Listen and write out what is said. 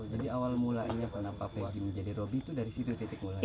jadi awal mulanya kenapa peggy menjadi robby itu dari situ titik mulanya